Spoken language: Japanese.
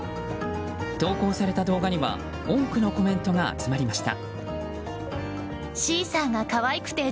投稿された動画には多くのコメントが集まりました。